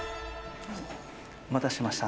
おお。お待たせしました。